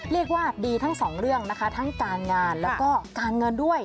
เรียกว่าดีทั้งสองเรื่องนะคะทั้งการงานแล้วก็การเงินด้วย